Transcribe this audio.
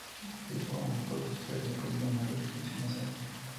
Se hizo famosa por ser la primera nave que apareció en la Saga.